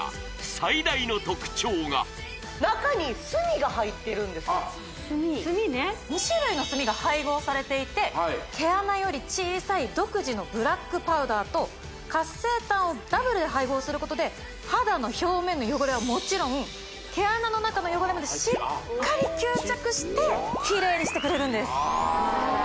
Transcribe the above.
最大の特徴があっ炭ねが配合されていて毛穴より小さい独自のブラックパウダーと活性炭をダブルで配合することで肌の表面の汚れはもちろん毛穴の中の汚れまでしっかり吸着してキレイにしてくれるんです